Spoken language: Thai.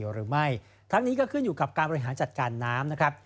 หรือไม่ทั้งนี้ก็ขึ้นอยู่กับการบริหารจัดการน้ำนะครับ